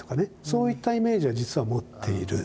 そういったイメージを実は持っている。